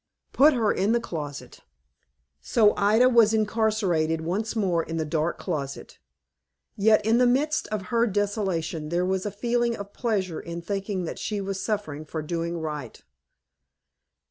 "Put her in the closet." So Ida was incarcerated once more in the dark closet. Yet, in the midst of her desolation, there was a feeling of pleasure in thinking that she was suffering for doing right.